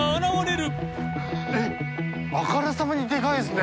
あからさまにデカいですね。